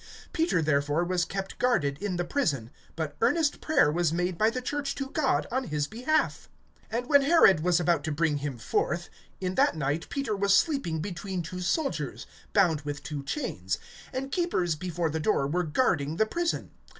(5)Peter therefore was kept guarded in the prison; but earnest prayer was made by the church to God on his behalf. (6)And when Herod was about to bring him forth, in that night Peter was sleeping between two soldiers, bound with two chains; and keepers before the door were guarding the prison.